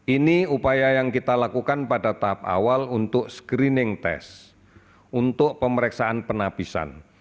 ini upaya yang kita lakukan pada tahap awal untuk screening test untuk pemeriksaan penapisan